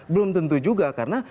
belum tentu juga karena